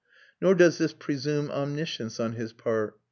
Nor does this presume omniscience on his part.